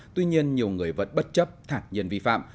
tuy nhiên nhiều người vẫn bất chấp thảt nhiên vi phạm